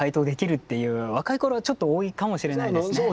若い頃はちょっと多いかもしれないですね。